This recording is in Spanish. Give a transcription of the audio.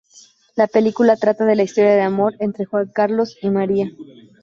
La película trata de la historia de amor entre Juan Carlos y María.